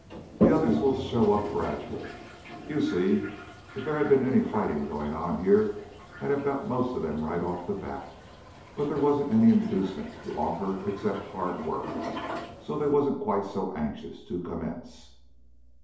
The others will show up gradual. You see, if there had been any fighting going on here, I'd have got most of them right off the bat, but there wasn't any inducement to offer except hard work, so they wasn't quite so anxious to commence."